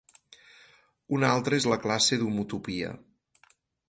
Una altra és la classe d'homotopia.